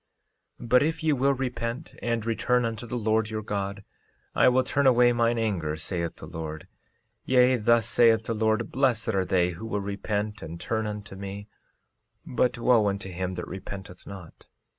13:11 But if ye will repent and return unto the Lord your God I will turn away mine anger, saith the Lord; yea, thus saith the Lord, blessed are they who will repent and turn unto me, but wo unto him that repenteth not.